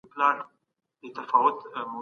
ولي د اورګاډي پټلۍ د سوداګرۍ لپاره ارزانه لاره ده؟